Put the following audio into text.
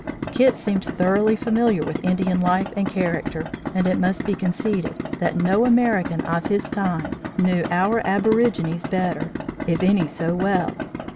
"Kit seemed thoroughly familiar with Indian life and character, and it must be conceded, that no American of his time knew our aborigines better if any so well.